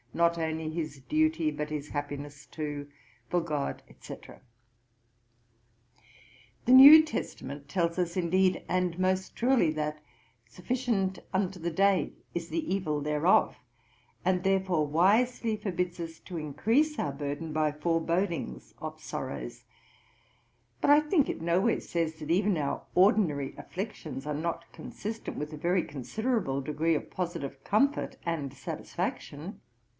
Not only his duty, but his happiness too; For GOD, &c. ver. 14. See Sherlock on Providence, p. 299. 'The New Testament tells us, indeed, and most truly, that "sufficient unto the day is the evil thereof;" and, therefore, wisely forbids us to increase our burden by forebodings of sorrows; but I think it no where says that even our ordinary afflictions are not consistent with a very considerable degree of positive comfort and satisfaction.